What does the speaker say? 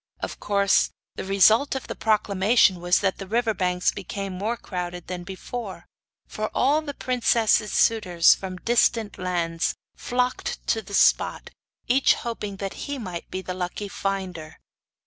Of course the result of the proclamation was that the river banks became more crowded than before; for all the princess's suitors from distant lands flocked to the spot, each hoping that he might be the lucky finder.